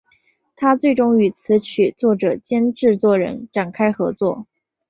她最终与词曲作者兼制作人展开合作。